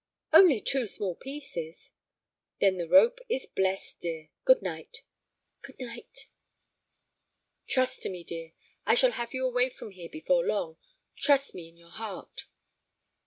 "Only two small pieces." "Then the rope is blessed, dear. Good night." "Good night." "Trust to me, dear; I shall have you away from here before long. Trust me in your heart."